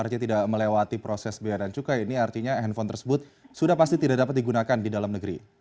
artinya tidak melewati proses biaya dan cukai ini artinya handphone tersebut sudah pasti tidak dapat digunakan di dalam negeri